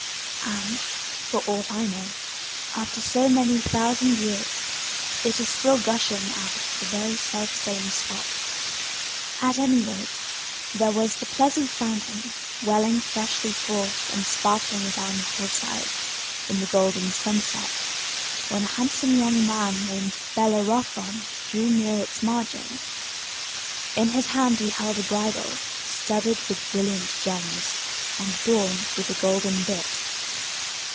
And, for aught I know, after so many thousand years, it is still gushing out of the very selfsame spot. At any rate, there was the pleasant fountain, welling freshly forth and sparkling adown the hillside, in the golden sunset, when a handsome young man named Bellerophon drew near its margin. In his hand he held a bridle, studded with brilliant gems, and adorned with a golden bit.